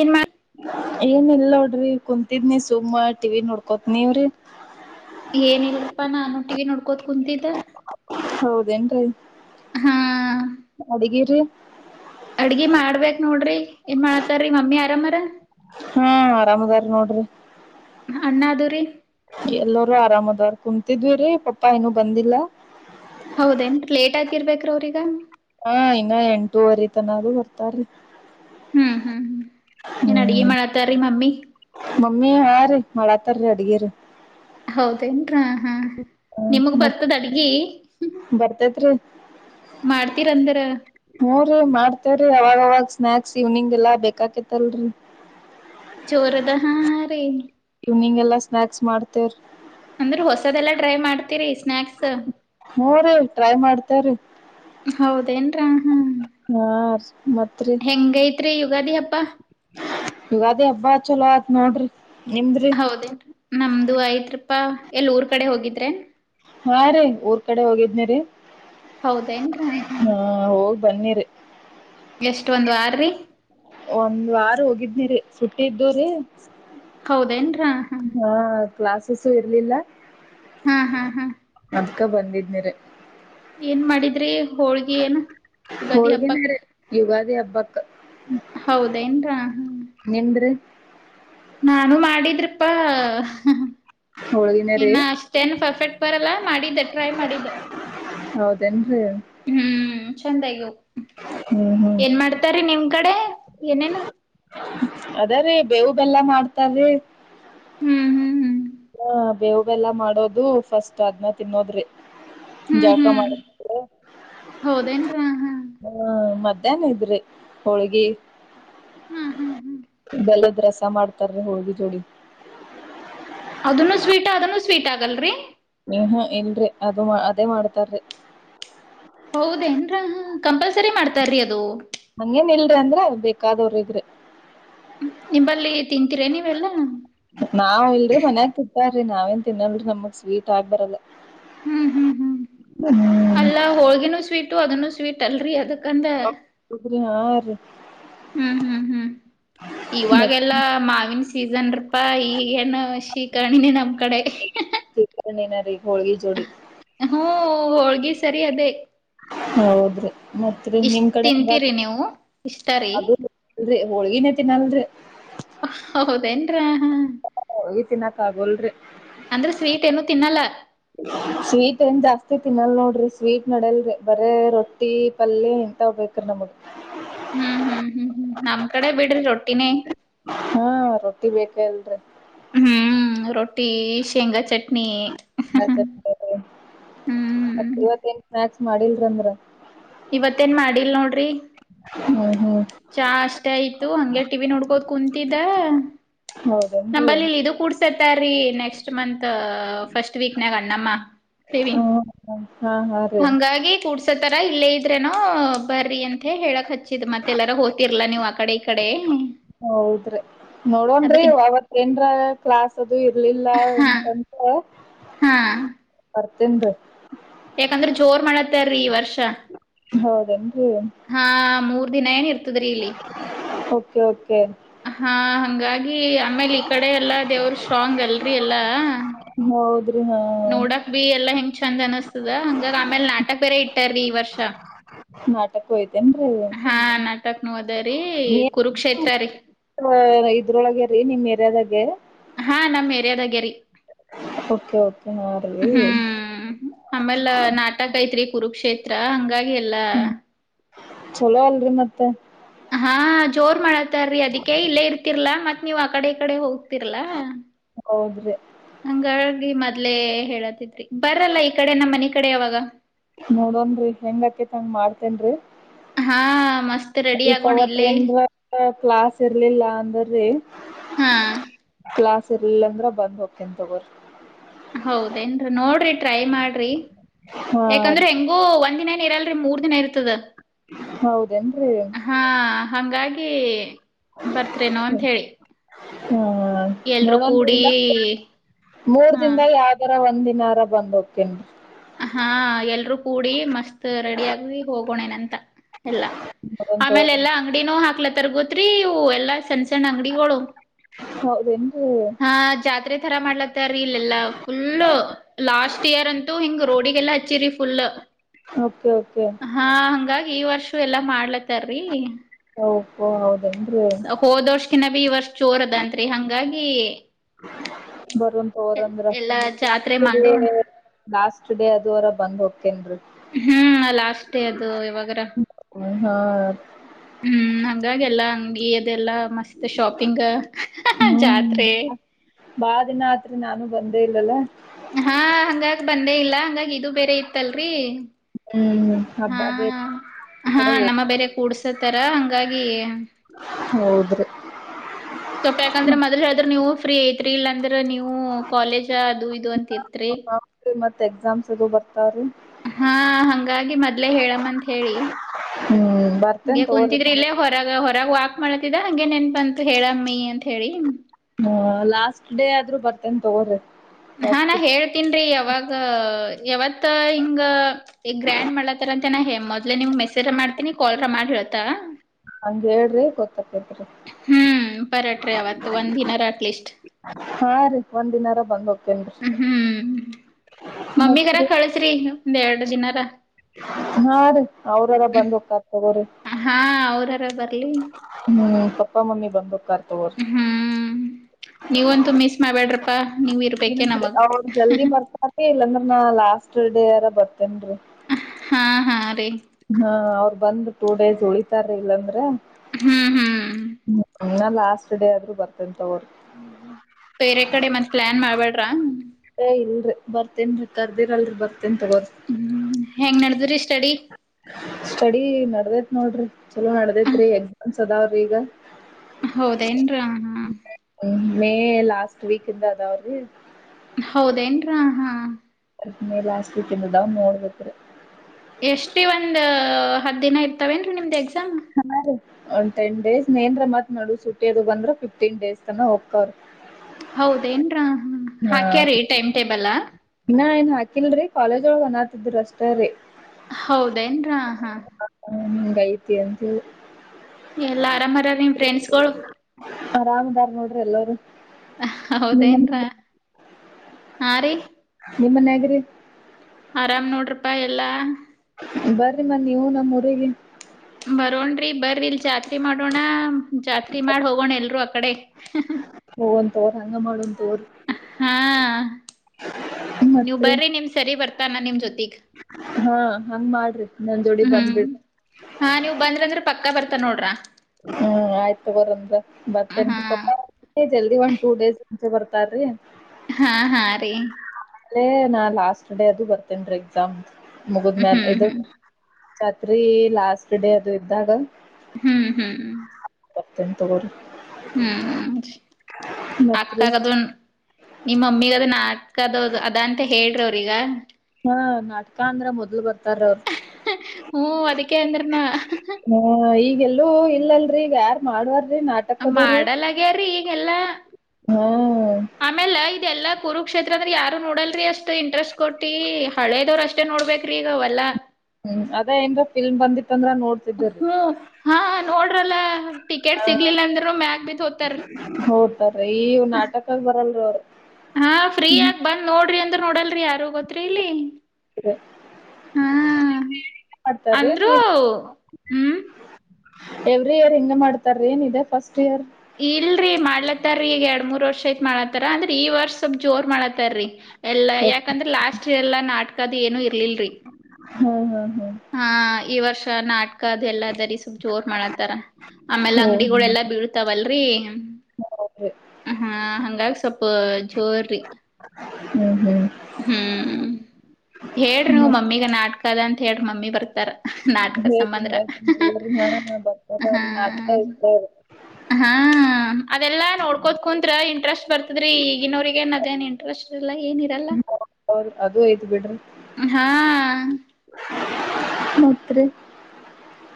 N ಮಾಡ ಏನ್ ಇಲ್ಲ ನೋಡ್ರಿ ಕುಂತಿದ್ನಿ ಸುಮ್ ಟಿವ ನೋಡ್ಕೋತ್ ನೀವ್ರಿ ಏನಿಲ್ಲಪ್ಪಾ ನಾನು ಟಿವಿ ನೋಡ್ಕೋತ ಕುಂತಿದ್ದ ಹೌದೇನ್ರಿೀ ಹಾ ಅಡಗಿರಿ ಅಡ್ಗಿ ಮಾಡ್ಬೇಕ್ ನೋಡ್ರಿ ಏನ್ ಮಾಡ್ತಾರೀ ಮಮ್ಮಿ ಆರಾಮರ ಹ್ಮ್ ಆರಾಮದಾರ ನೋಡ್ರಿ ಅಣ್ಣಾದೂರಿ ಎಲ್ಲರೂ ಆರಾಮದಾರ್ ಕುಂತಿದ್ವಿ ರೀ ಪಾಪ್ಪಾ ಏನು ಬಂದಿಲ್ಲ ಯಾಕ ಇರ್ಬೇಕ್ರ ಅವ್ರಗ ಹಾ ಇನ್ನ ಎಂಟೂವರೆ ತನದುೂ ಬರ್ತಾರೀ ಹ್ಮ್ ಹ್ಮ್ ಹ್ಮ್ ಏನ ಅಡಿಗೆ ಮಳ ತಾರಿ ಮಮ್ಮಿ ಮಳ ತರ ಅಡಿಗೆರ ಹೌದೇನ್ರ ಹಾ ನಿಮಗ್ ಮತ್ ಬರ್ತದ ಅಡ್ಗಿ ಮಾಡ್ತೀರಂದ್ರ ನೋ್ರೀ ಮಾಡ್ತೇರಿೀ ಅವಾಗ ವಾಗ ಸ್ನಾಕ್ಸ್ ಇವ್ನಿಂಗ್ ಎಲ್ಲಾ ಬೇಕಾಕತ್ತಲ್ರರಿ ಜೋರದ ಹಾ ಹ ರೀ ಸ್ನಾಯಾಕ್ಸ್ ಮಾಡ್ತೇವ ಅಂದ್ರ ಹೊಸದೆಲ್ಲ ಟ್ರೈ ಮಾಡ್ತೀರಿ ಇಷ್ಟ ಹೋ್ರೀ ಟ್ರೈ ಮಾಡ್ತೇಾರೀ ಹೌದೇನ್ರ ಹ್ಮ ಮತ್ತರಿ ಯುಗಾದಿ ಹಬ್ಬ ಯುಗ ಅದೇ ಹಬ್ಬ ಚಲೋ ಆಯತ್ ನೋಡ್ರಿ ಎಮ್ರಿ ಹೌದೇನ್ರಿ ನಮ್ದು ಐ್ತ್ ರಪಾ ಎಲ್ ಊರ್ ಕಡೆ ಹೋಗಿದ್ರೆ ಹಾ ರೀ ಊರ್ ಕಡೆ ಹೋಗಿದ್ನಿರಿ ಹೌದೇನ್ರ ಹ್ಮ ಬನ್ನಿರು ಎಷ್ಟ ಒಂದು ಆಾರೀ ಒಂದ್ ವಾರ ಹೋಗಿದ್ನಿರಿ ಸುಟ್ಟ ಇದ್ದು್ರೀ ಹೌದೇನ್ರ ಹ ಕ್ಲಾಸಸ್ಸು ಇರಲಿಲ್ಲ ಹಾ ಹಾ ಹಾ ಅದ್ಕ ಬಂದಿದನಿರ ಏನ್ ಮಾಡಿದ್ರಿ ಹೋಳ್ಗಿ ಏನು ಯುಗಾದಿ ಹೋಳ್ಗಿನಾರ ಯುಗಾದಿ ಹಬ್ಬಕ್ ಹೌದೇನ್್ರ ಹ್ಮ ನಿಮ್ದ್ರಿ ನಾನು ಮಾಡಿದ್ರಿಪ್ಪಾ ಹೋಳ್ಗಿನೇ ರೀ ಇನ್ನ ಅಷ್ಟೇನು ಪರ್ಫೆಕ್ಟ್ ಬರಲ್ಲ ಮಾಡಿದ್ದೆ ಟ್ರೈ ಮಾಡಿದ್ದ ರೆಂದು ಹ್ಮ್ ಚಂದಾಗ್ಯಾವು ಏನ್ ಮಾಡ್ತಾರಿ ನಿಮ್ ಕಡೆ ಏನೇನು ಅದೇರೀ ಬೇವು ಬೆಲ್ಲ ಮಾಡ್ತಾರೀ ಹ್ಮ್ ಹ್ಮ್ ಹ್ಮ್ ಹ್ಮ ಬೇವು ಬೆಲ್ಲಾ ಮಾಡೋದು ಫಸ್ಟ್ ಅದ್ನ ತಿನ್ನೋದ್ರಿ ಹ್ಮ್ ಜಳಕ ಹ್ಮ್ ಮಾಡ ಹೌದೇನ್ರಿ ಹ್ಮ ಹ್ಮ ಮಧ್ಯಾಹ್ನ ಇದ್ರಿ ಹೋಳ್ಗಿ ಹ್ಮ್ ಹ್ಮ್ ಹ್ಮ್ ಬೆಲ್ಲದ ರಸ್ ಮಾಡ್ತಾರಿ ಹೋಳಿಗಿ ಜೋಡಿ ಅದನ್ನು ಸ್ವೀಟ್ ಅದನು ಸ್ವೀಟ್ ಆಗಲ್ರಿ ಏನ್ನೊ ಇಲ್ರಿ ಅದು ಅದೇ ಮಾಡ್ತಾರ್ರಿ ಹೌದೇ ನ್ರ ಕಂಪಲ್ಸರಿ ಮಾಡ್ತಾರಿ ಅದು ಹಂಗೇನ್ ಇಲ್ರಿ ಅಂದ್ರ ಬೇಕಾದವ್ರ್ ಇದ್ದರೆ ನಿಂಬಲ್ಲಿ ತಿಂತೀರೆನ ನೀವೆಲ್ಲಾ ನಾವ ಇಲ್ರರಿ ಮನ್ಯಾಗ ತಿಂತ್ತಾರಿ ನಾವೇನ್ ತಿನ್ನಲ್ರಿ ನಮಗ್ ಸ್ವೀಟ್ ಆಗ್ ಬರಲ್ಲ ಹ್ಮ್ ಹ್ಮ್ ಹ್ಮ್ ಅಲ್ಲಾ ಹೋಳ್ಗಿನೂ ಸ್ವೀಟು ಅದನ್ನು ಸ್ವೀಟ್ ಅಲ್ರಿ ಅದ ಕಂದೆ ಹೌದ್ರಿ ಹಾ ರೀ ಹ್ಮ್ [inaudible] ಇವಾಗೆಲ್ಲಾ ಮಾವಿನ ಸೀಸನ್ ರಪಾ ಈಗ ಏನು ಶಿಕರಣಿನಿನೆ ನಮ್ ಕಡೆ ನ ರೀಗ ಹೋಳಗಿ ಜೋಡಿ ಹ್ಮ್ ಹೋಳ್ಗಿ ಸರಿ ಅದೇ ಹೌದ್ರಿ ಮತ್ರಿ ಇಷ್ಟ್ ನಿಮ್ ಕಡೆ ಹಂಗ ತಿಂತೀರಿ ನೀವು ಇಷ್ಟ ರೀ ಹೋಳ್ಗಿನೇ ತಿನ್ನಲ್ರಿ ಹೌದೇನ್ರ ಹ ತಿನಕ ಆಗಲರಿ ಅಂದ್ರೆ ಸ್ವೀಟ್ ಏನು ತಿನ್ನಲ್ಲ ಸ್ವೀಟ್ಂತಾ ತಿ ತಿನ್ನಲ್ ನೋಡ್ರಿ ಸ್ವೀಟ್ ನಡಲ್ರಿ ಬರೇ ರೊಟ್ಟಿ ಪಲ್ಯ ಇಂತ ಬೇಕ ರೀ ನಮಗ [inaudible] [inaudible] ಹ್ಮ್ ಹ್ಮ್ ಹ್ಮ್ ನಮ್ ಕಡೆ ಬಿಡ್ರಿ ರೊಟ್ಟಿನೇ ಹಾ ರೊಟ್ಟಿ ಬೇಕೆ ಅಲ್ರಿ ಹ್ಮ್ ರೋಟಿ ಶೇಂಗಾ ಚಟ್ನಿ ಮತ್ತ ಹ್ಮ್ ಇವತ್ತೇನ್ ಸ್ನಾಯಕ್ಸ್ ಮಾಡಿಲ್ರಂದ್ರ ಇವತ್ತ ಏನ್ ಮಾಡಿಲ್ ನೋಡ್ರಿ ಹ್ಮ್ ಹ್ಮ್ ಚಾ ಅಷ್ಟೇ ಆಯ್ತು ಹಂಗೆ ಟಿವಿ ನೋಡ್ಕೋದ ಕುಂತಿದ್ದ್ ಹೌದೇನ್ರಿ ನಂಬಲ್ಲಿ ಇದು ಕೂಡ್ಸತ್ತಾರೀ ನೆಕ್ಸ್ಟ್ ಮಂತ್ ಫಸ್ಟ್ ವಿಕನ್ಯಾಗ ಹ್ಮ್ ಹಾ ಹಾ ರೀ ಹಂಗಾಗಿ ಕೊಡಸ ಸಥರ ಇಲ್ಲೇ ಇದ್ರೆನೋ ಬರ್ರಿ ಅಂತ ಹೇಳಕ್ ಹಚ್ಚಿದ ಮತ್ತೆಲ್ಲಾರೂ ಓ್ತರ್ಲ ನೀವು ಆ ಕಡೆ ಕಡೆ ಹೌದ್ರಿ ನೋಡನರಿ ಅದಕ್ ಅವತೆನ್ರ ಕ್ಲಾಸ್ ಅದು ಇ ಆಗ್ಲಿಲ್ಲ ಹಾ ಅಂತಂತ ಹಾ ತಿನ್ನರಿ ಯಾಕಂದ್ರ ಜೋರ್ ಮಾಡತ್ತಾರೀ ಈ ವರ್ಷ ಹೌದೇನ್ರಿ ಹಾ ಮೂರ್ ದಿನ ಏನ ಇರ್ತದ್ರೀ ಇಲ್ಲಿ ಓಕೆ ಓಕೆ ಹಾ ಹಂಗಾಗಿ ಆಮೇಲೆ ಈ ಕಡೆ ಎಲ್ಲಾ ದೇವ್ರ ಸ್ಟ್ರಾಂಗ್ ಅಲ್ರಿ ಎಲ್ಲಾ ಹ್ಮ ಹೌದ್ರಿ ನಾ ನೋಡಕ್ ಬಿ ಎಲ್ಲಾ ಹೆಂಗ ಚಂದ ಅನಸ್ತದ ಹಂಗಾಗ ಆಮೇಲ್ ನಾಟಕ ಬೇರೆ ಇಟ್ಟಾರೀ ಈ ವರ್ಷ ನಾಟಕ್ಕು ಐತೇನ್ರಿ ಹಾ ನಾಟಕ್ನು ಅದರಿ ಕುರುಕ್ಷೇತ್ರ ರೀ ಹ ಇದ್ರೊಳಗೆ ರೀ ನಿಮ್ ಎರ್ಯದಾಗೆ ಹಾ ನಮ್ ಏರಿಯಾದಾಗರಿ ಹಾ ರೀ ಹ್ಮ್ ಆಮೇಲೆ ನಾಟಕ ಐತ್ರಿ ಕುರುಕ್ಷೇತ್ರ ಹಂಗ ಹಾಗಲ್ಲ ಚಲೋ ಅಲ್ರಿ ಮತ್ತೆ ಹಾ ಜೋರ್ ಮಾಡತ್ತಾರೀ ಅದಕ್ಕೆ ಇಲ್ಲೇ ಇರ್ತಿರ್ಲಾ ಮತ್ ನೀವ್ ಆ ಕಡೆ ಈ ಕಡೆ ಹೋಗ ಹೌದ್ರಿ ಹಂಗಾಗಿ ಮೊದ್ಲೇ ಹೇಳ ಬರಲ್ಲ ಈ ಕಡೆ ನಮ್ಮ್ ಮನೆ ಕಡೆ ಯಾವಾಗ ನೋಡನ್ರಿ ಹೆಂಗ ಆಕೇತ್ಂಗ ಹಾ ಮಸ್ತ್ ರೆಡಿ ಮಾಡ್ತೇನ್ರರಿ ಆಗೋಣ ಇಲ್ಲೇ ಪವತ್ಂದ್ರ ಕ್ಲಾಸ್ ಇರ್ಲಿಲ್ಲ ಅಂದ್ರಿ ಹಾ ಕ್ಲಾಸ್ ಇಲ್ಲಂದ್ರೆ ಬಂದು ಹೋಗ್ತೀನಿ ತೊಗೋರಿ ಟ್ರ ಮಾಡ್ರಿ ಹಾ ಯಾಕಂದ್ರೆ ಹೆಂಗು ಒಂದ್ ದಿನ ಇರಲ್ರಿ ಮೂರ್ ದಿನ ಇರ್ತದ ಹೌದೇನ್ರಿ ಹಾಗ ಬರ್ತೇನೋ ಅಂತ ಹೇಳಿ ಹ್ಮ ಎಲ್ರೂ ನೋಡ ಕೂಡಿ ಮೂರ್ ಹಾ ದಿಂದ ಯಾವ್ದರ ಒಂದ ದಿನಾರ ಬಂದ್ ಕೇನ್ ಹಾ ಎಲ್ರುೂ ಕೂಡಿ ಮಸ್ತ್ ರೆಡಿ ಆಗ ಹೋಗೋಣೇನಂತ ಎಲ್ಲ ಬರೋನ್ ಆಮೇಲೆ ತಗೋರಿ ಎಲ್ಲಾ ಅಂಗಡಿನೂ ಹಾಕ್ಲ ತರ್ಗೋತ್ರಿ ಹೂ ಎಲ್ಲಾ ಸೆಣಸಣ್ಣ ಅಂಗಡಿ ಕೊಳೋ ಅಂದು ಹಾ ಜಾತ್ರೆ ತರ ಮಾಡ್ಲತ್ತರಿ ಇಲ್ಲೆಲ್ಲಾ ಫುಲ್ ಲಾಸ್ಟ್ ಇಯರ್ ಅಂತೂ ಹಿಂಗ ರಿಗೆಲ್ಲ ಹಚ್ಚಿು ಹ ಹರ್ ಎಲ್ಲಾ ಮಾಡ್ಲತಾರೀ ಓಹೋ ಹೌದೇನ್ರಿ ಹೋದವಷಕಿನ ಬಿ ಈ ವರ್ಷ ಜೋರದಂರಿ ಹಂಗಾಗಿ ಬರನ್ ತೋರ್ಂದ್ರ ಎಲ್ಲಾ ಜಾತ್ರೆ ಮಾಡೋಣ ಜಾಸ್ಸ್ ಎುಡೇ ಅದ ಅವರ ಬ್ ಹೋಗ್ತೇನ್ ಹ್ಮ್ ಲ ಅಷ್ಟೇ ಅದು ಇವಾಗ್ರ ಹಾ ಹ್ಮ್ ಇದಾಗಲ್ಲಾ ಅಂಗಡಿ ಅದೆಲ್ಲಾ ಮಸ್ತ್ ಶಾಪಿಂಗ್ ಜಾತ್ರೆ ಬಾಳ ದಿನ ಆತ್ರಿ ನಾನು ಬಂದೇ ಇಲ್ಲಲ್ಲ ಹಾ ಹಂಗಾಗ ಬಂದೇ ಇಲ್ಲ ಹಂಗಾಗಿ ಇದು ಬೇರೆ ಇತ್ತಲ್ರಿ ಹ್ಮ್ ಹಬ್ಬ ಹಾ ಬೇರೆ ಕಡೆ ಹೋಗ ತರ ಹಂಗಾಗಿ ಹೌದ್ರಿ ಸ್ವಪಾಕಂದ್ರೆ ಮೊದಲ್ ಹೇಳ್ರ ನೀವು ಫ್ರೀ ಐತ್ರಿ ಇಲ್ಲಾಂದ್ರೆ ನೀವು ಕಾಲೇಜ ಅದು ಇದು ಅಂತ ಇತ್ರಿ ಸದು ಬರ್ತ ರೀ ಹಾ ಹಂಗಾಗಿ ಮೊದ್ಲೆೇ ಹೇಳಮ್ಮ ಅಂತ ಹೇಳಿ ಹ್ಮ್ ಹಗೆ ಬರ್ತೇನ್ ತಗೋರಿ ಕುಂತಿದ್ರ ನಾನ್ ಇಲ್ಲೇ ಹೊರಗ ಹೊರಾಗ ವಾಕ್ ಮಾಡ್ತಿದ ಹಂಗೆ ನೆನ್ ಅಂತ ಹೇಳಮ್ಮಿ ಅಂತ ಹೇಳಿ ಹ್ಮ ಲಾಸ್ಟ್ ಡೇ ಆದ್ರೂ ಬರ್ತೆೇನ್ ತಗೋರಿ ಹಾ ನಾ ಹೇಳ್ತನ್ ಯಾವಾಗ ಯಾವತ್ತ ಹಿಂಗ ಈಗ ಗ್ರ್ಯಾಂಡ್ ಮಾಡಲತಾರ ಅಂತನ ಹೆ ಮೊದ್ಲೆ ನಿವ್ ಮೆಸೇಜ ಮಾಡ್ತೀನಿ ಕಾಲ್ರ ಮಾಡ್ ಹೇಳಳ್ತಾ ಹಂಗ ಹೇಳ್ರಿ ಗೊತ್ತಕ್ಕತ್ ಪರಟ್ರೀ ಅವವತ್ತು ಒಂದ ದಿನ ಅಟ್ಲೀಸ್ಟ್ ಹಾ ರೀ ಒಂದ್ ದಿನಾರ ಬಂದ್ ಹೋಗ್ತೇನ್ ಹ್ಮ್ ಮಮ್ಮಿಗರ ಕಳಸ್ರಿ ಒಂದ್ ಎರಡ್ ದಿನಾರ ಹಾ ರೀ ಅವ್ರಲ್ಲ ಬಂದ್ ಒಕ್ಕತೋಗೋದು ಹಾ ಅವ್ರಾರ ಬರ ಹ್ಮ್ ಪಾಪಾ ಮಮ್ಮಿ ಬಂಬೂಕ ತರ್ ಹ್ಮ್ ನೀವಂತೂ ಮಿಸ್ ಮಾಡ್ಬೇಡ್ರಪ್ಪಾ ನೀವ್ ನಿ ಇರ್ಬೇಕೆ ನಮಗ್ ಅವರು ಜಲ್ದಿ ಬರ್ತಾತಿ ಇಲ್ಲಾಂದ್ರೆ ನಾ ಲಾಸ್ಟ್ ಡೇ ಯಾರ ಬರ್ತೇನ್ೀ ಹಾ ಹಾ ರೀ ಹಾ ಅವ್ರ ಬಂದ್ ಟೂ ಡೇಸ್ ಉಳಿತಾರ ಇಲ್ಲಾಂದ್ರೆ ಹ್ಮ್ ಹ್ಮ್ ಹ ಲಾಸ್ಟ್ ಡೇ ಆದ್ರರು ಬರ್ತಿ ಹ್ಮ್ ಬೇರೆ ಕಡೆ ಮತ್ತತ್ ಪ್ಲಾನ್ ಮಾಡ್ಬೇಡ್ರ ಇಲ್ರರಿ ಬರ್ತೇನ್ ಕರ್ದಿರ್ಲ್ರಿ ಬರ್ ಹ್ಮ್ ಹೆಂಗ್ ನಡ್ದ್ರಿ ಸ್ಟಡಿ ಸ್ಟಡಿ ನಡದೇತ್ ನೋಡ್ರಿ ಚಲೋ ನಡದೇತ್ ರರಿ ಎಕ್ಸಾಮ್ಸ್ ಅದಾವ್ರೀ ಈಗ ಹೌದ ನ್ರ ಹ ಮೇ ಲಾಸ್ಟ್ ವೀಕ್ಂದ ಅವ ಅವ್ರ ಹೌದೇನ್ರ ಹಾ ಅದ ಮೇಲೆ ಆಾಸ್ತಿ ತಿಂದದಾ ನೋಡ್ಬೇಕ್ರೆ ಎಷ್ಟೇ ಒಂದ್ ಹತ್ತು ದಿನ ಇರ್ತವೇನ್ರಿ ನಿಮ್ದ ಎಕ್ಸಾಮ್ ಹಾ ರ ಒಂದ ಟೆನ್ ಡೇಸ್ ನೇನ್ರ ಮತ್ ನೋ ಸುಟ್ಟಿಯದು ಬಂದ್ರ ಫಿಫ್ಟೀನ್ ಡೇಸ್ ತನ ಹೋಗಕ್ಕವ್ರಿ [inaudible] ಹೌದೇಏನ್ರ ಹಾಕ್ಯಾರೀ ಟೈಮ್ ಟೇಬಲ್ ಇನ್ನ ಏನ್ ಹಾಕಿಲ್ರಿ ಕಾಲೇಜ್ ಒಳ ಅಂದತಿದ್ರು ಅಷ್ಟ ರೀ ಹೌದೇನ್ರಾ ಹಾ ಹ್ಮ್ ಕೈತ್ತಿ ಅಂತ ಎಲ್ಲಾ ಆರಾಮರ ನಿಮ್ ಫ್ರೆಂಡ್ಸ್ಗಳು ಆರಾಮದಾರ್ ನೋಡ್ರಿ ಎಲ್ಲರುೂ ಹೌದೇನ್ರ ಆ ರೀ ನಿಮ್ಮನ್ಯಗ್ರಿ ಆರಾಮ್ ನೋಡ್ರಪ್ಪಾ ಎಲ್ಲ ಬನ್ರರಿ ಮ ನೀವು ನಮ್ಮೂಊರಿಗೆ ಬರೋನ್್ರಿ ಬರಲ್ ಜಾತ್ರಿ ಮಾಡೋಣ ಜಾತ್ರಿ ಮಾಡ ಹೋಗೋಣ ಎಲ್ರುೂ ಅಕಡೆ ಅವ [inaudible] ಹಾ ನೀವು ಮತ್ರಿ ಬರ್ರಿ ನಿಮ್ ಸರಿ ಬರ್ತಾನ ನಿಮ ಜೊತಿಗ್ ಹಾ ಹಂಗ್ ಮಾಡ್ರಿ ನಂದೋಡಿ ಬಂದ್ ಹ್ಮ್ ಬಿಿಡ್ [inaudible] ಹಾ ನೀವ್ ಬಂದ್ರಂದ್ರ ಪಕ್ಕ ಬರ್ತಾ ನೋಡ್ರ ಹ್ಮ್ ಆಯ್ತ ತಗೋರಂದ್ರ ಬತ್ತಂ ಹಾ ಪ ಜಲ್ದಿ ಒಂದ ಟೂ ಡೇಸ್ ಮುಂಚೆ ಬರ್ತಾರ್ರಿ ಹಾ ಹಾ ರೀ ಲೇ ನಾ ಲಾಸ್ಟ್ ಡೇ ಅದು ಬರ್ತೇನ್ ರೀ ಎಕ್ಸಾಮ್ ಮುಗಿದ ಮೇಾಲ ಹ್ಮ್ ಇದು ಹ್ಮ್ ಖಾತ್ರಿ ಲಾಸ್ಟ್ ಡೇ ಅದು ಇದ್ದಾಗ ಹ್ಮ್ ಹ್ಮ್್ಮ ಅತ್ಯಂತ ಗರು ಹ್ಮ್ ಮತ್ರಿ ಅಕ್ಕಾ ಕದ ನೀ ಮಮ್ಮಿ ಕದ ನ ದೌದು ಅದ ಅಂತ ಹೇಳ್ರಿ ಅವ್ರೀಗ ಹ ನಾಕ ಅಂದ್ರ ಮೊದ್ಲು ಬರ್ತ [inaudible] ಹ್ಮ ಅದಕ್ಕೆ ಅಂದ್ರನ ಹ ಈಗೆಲ್ಲ ಇಲ್ಲಲ್ರಿಗ ಯಾರಾರ್ ಮಾಡುವಾರ ಮಾಡಲಗ್ಯಾರಿೀ ಈಗೆಲ್ಲಾ ಹಾ ಆಮೇಲೆ ಇದೆಲ್ಲಾ ಕುರುಕ್ಷೇತ್ರ ಅಂದ್ರ ಯಾರು ನೋಡಲ್ರಿ ಅಷ್ಟ್ ಇಂಟ್ರೆಸ್ಟ್ ಕೊಟ್ಟಿ ಹಳೇದವ್ರ ಅಷ್ಟೇ ನೋಡ್ಬೇ್ರಿಗ ಅವಲ್ಲ ಹ್ಮ್ ಅದೇ ಏನ್ಫಿಲ್ಮ್ ಬಂದಿ ಹ್ಮ್ ಹಾ ನೋಡ್ರಲ್ಲ ಟಿಕೆಟ್ ಸಿಗ್ಲಿಲ್ಲ ಅಂದ್ರ ಮ್ಯಾಗ ಬಿತ್ ಹೋತಾರ ಹೋತಾರ ಈ ನಾಟಕಾಗ ಬರಲ್ರೀ ಅವ್ರ ಹಾ ಫ್ರೀ ಆಗ ಬಂದ್ ನೋಡ್ರಿ ಅಂದ್ರ ನೋಡಲ್ರಿ ಯಾರು ಗೊತ್ರಿಇಲ್ಲಿ ಹ್ಮ್ ಮಾಡ್ತಾರೇನ್ ಅಂದ್ರರು ಹ್ಮ್ ಎವ್ರಿ ಇಯರ್ ಹಿಂಗ ಮಾಡ್ತಾರ ಏನ್ ಇದೆ ಫಸ್ಟ್ ಇಯರ್ ಇಲ್ರರಿ ಮಾಡ್ಲತ್ತಾರೀ ಈಗ ಎರಡ್ ಮೂರ್ ವರ್ಷ ಐತ್ ಮಾಡ್ಲತ್ತಾರ ಅಂದ್ರ ಈ ವರ್ಷ ಸವಪ್ ಜೋರ್ ಮಾಡತ್ತಾರೀ ಎಲ್ಲಾ ಹಾ ಯಾಕಂದ್ರೆ ಲಾಸ್ಟ್ ಎಲ್ಲಾ ನಾಟಕದ ಏನು ಇರ್ಲಿಲ್ರರಿ ಹಾಂ ಹಾ ಹಾ ಈ ವರ್ಷ ನಾಟಕ ಅದು ಎಲ್ಲದ ಜೋರ್ ಮಾಡತ್ತಾರ ಆಮೇಲೆ ಹೋ ಅಂಗಡಿಗಳೆಲ್ಲ ಬೀಳ್ತಾವಲ್ಲ ರಿ ಹೌದ್ರಿ ಹ ಹಂಗಾಗಿ ಸ್ವಪ ಜೋರ್ರಿ ಹ್ಮ್ ಹ್ಮ್ ಹ್ಮ್ ಹೇಳ್ರಿ ನೀ ಮತ್ ಮಮ್ಮಿಗ ನಾಟಕ ಅದ ಅಂತ ಹೇಳ್ರಿ ಮಮ್ಮಿ ಬರ್ತಾರ ನಾಟಕ ಹೇಳ್ರಿ ಸಂಬಂಧರ ಹೇಳ್ತೇನ್ ತಗೋರಿ ಹಾ ಬರ್ತಾರ ಹ್ಮ ಅವ್ರಿ ನಾಟಕ ಇರ್ತವ್ರಿ. ಹಾ ಅದೆಲ್ಲಾ ನೋಡ್ಕೋದ ಕುಂತ್ರ ಇ ಇಂಟ್ರೆಸ್ಟ್ ಬರ್ತದ್ರೀ ಈಗಿನವರಿಗೆಗಏ ಅದೇನ್ಂಟ್ರೆಸ್ಟ್ ಇಲ್ಲ ಏರಲ್ಲ ಹೌರ ಅದು ಐ್ ಬಿಡ್ರಿ ಹಾ ಮಾತ್ ರೀ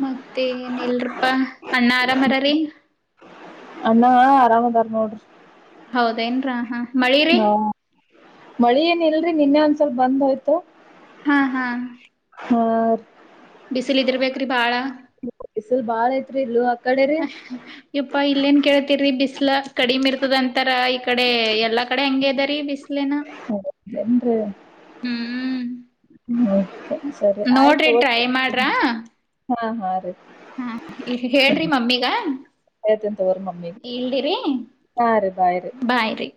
ಮತ್ತೆ ನಿಲ್ರಪ್ಪಾ ಅಣ್ಣ ಆರಾಮರ ರೀ ಅಣ್ಣ ಆರಾಮ ತಾರಮಡ ಹೌದೇನ್ರ ಹಾ ಮಳಿರಿ ಮಳಿ ಏನ ಇಲ್ರಿ ನಿನ್ನೆ ಒಂದ್ ಸ್ವಲ್ಪ ಬಂದ್ ಹಯ್ತು ಹಾ ಹಾ ಆ ಬಿಸಿಲು ಇದರ್ಬೇಕು ರೀ ಭಾಳ ವಯಸಲ್ ಬಾಳ ಐತ್ರಿ ಇಲ್ಲ ಇಪ್ಪಾ ಇಲ್ಲೇನ್ ಕೇಳತಿರಿ ಬಿಸ್ ಬಿಸ್ಲ ಕಡಿಮೆ ಇರ್ತದ ಅಂತರ ಈ ಕಡೆ ಎಲ್ಲಾ ಕಡೆ ಹಂಗಗೆ ಅದಾರಿೀ ಬಿಸ್ಲನ ಂತ ಹ್ಮ್ ಹೆ ಸರಿ ನೋಡ್ರಿ ಆಯ್ತು ಟ್ರೈ ಮಾಡ್ರ ಹಾ ಹಾ ರೀ ಹಾ ಹೇಳ್ರಿ ಮಮ್ಮಿಗ ದ ತೋರು ಮಮ್ಮಿ ಇಲ್ದಿರಿ ಹ ರ ಬಾಯರು ಬಾಯ್ರಿ.